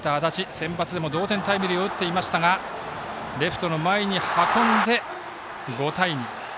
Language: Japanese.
先発でも同点タイムリーを打っていましたがレフトの前に運んで５対２。